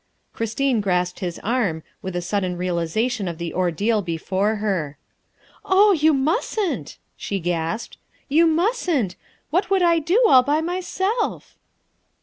Christine grasped his arm, with a sudden realization of the ordeal before her. " Oh, you mustn't," she gasped, " you mustn't. What would I do all by myself?"